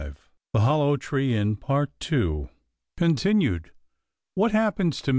THE HOLLOW TREE INN CONTINUED WHAT HAPPENS TO MR.